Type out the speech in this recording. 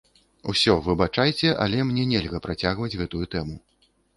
Усё, выбачайце, але мне нельга працягваць гэтую тэму.